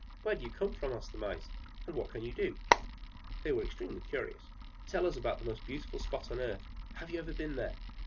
"Where do you come from," asked the Mice; "and what can you do?" They were so extremely curious. "Tell us about the most beautiful spot on the earth. Have you never been there?